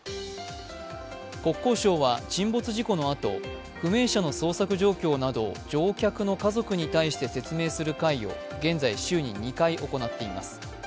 国交省は沈没事故のあと不明者の捜索状況などを乗客の家族に対して説明する会を現在、週に２回行っています。